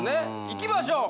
いきましょう